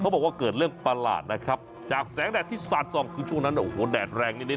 บอกว่าเกิดเรื่องประหลาดนะครับจากแสงแดดที่สาดส่องคือช่วงนั้นโอ้โหแดดแรงนิด